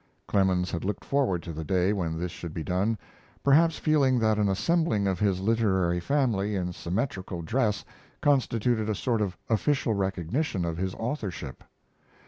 Clemens had looked forward to the day when this should be done, perhaps feeling that an assembling of his literary family in symmetrical dress constituted a sort of official recognition of his authorship.